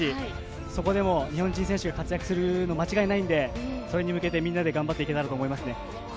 そこで日本人選手が活躍するのは間違いないので、みんなで頑張っていきたいですね。